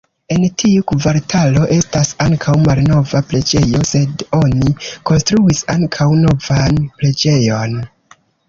En tiu kvartalo estas ankaŭ malnova preĝejo, sed oni konstruis ankaŭ novan preĝejon.